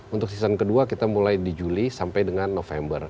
untuk season kedua kita mulai di juli sampai dengan november